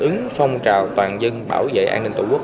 ứng phong trào toàn dân bảo vệ an ninh tổ quốc